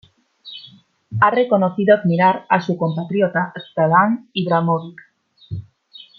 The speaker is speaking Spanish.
Ha reconocido admirar a su compatriota Zlatan Ibrahimović.